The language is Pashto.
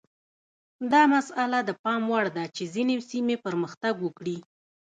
دا مسئله د پام وړ ده چې ځینې سیمې پرمختګ وکړي.